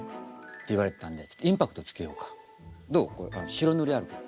白塗りあるから。